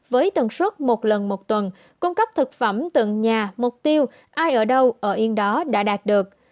với tần suất một lần một tuần cung cấp thực phẩm từng nhà mục tiêu ai ở đâu ở yên đó đã đạt được